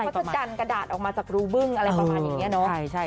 เขาจะดันกระดาษออกมาจากรูบึ้งอะไรประมาณอย่างนี้เนอะ